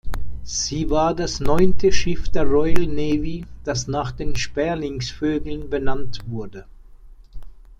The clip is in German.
Sie war das neunte Schiff der Royal Navy, das nach den Sperlingsvögeln benannt wurde.